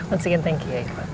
once again thank you ya iva